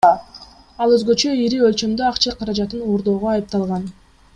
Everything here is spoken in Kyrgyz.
Ал өзгөчө ири өлчөмдө акча каражатын уурдоого айыпталган.